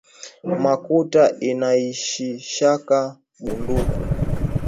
Makuta inaishishaka bunduku